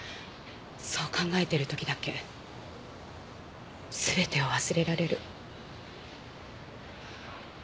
そう考えてる時だけ全てを忘れられる。